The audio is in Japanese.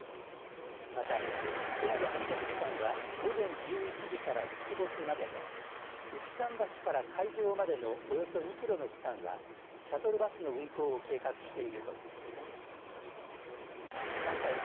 また船の発着時間は午前１１時から日没までで浮き桟橋から会場までのおよそ２キロの区間はシャトルバスの運行を計画しているということです。